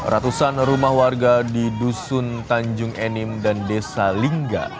ratusan rumah warga di dusun tanjung enim dan desa lingga